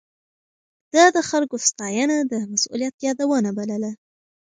ده د خلکو ستاينه د مسؤليت يادونه بلله.